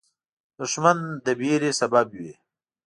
دښمن د ویرې سبب وي